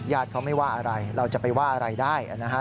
เขาไม่ว่าอะไรเราจะไปว่าอะไรได้นะฮะ